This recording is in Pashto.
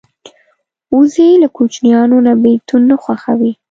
وزې له کوچنیانو نه بېلتون نه خوښوي